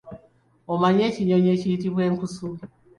Omanyi ekinyonyi ekiyitibwa enkusu?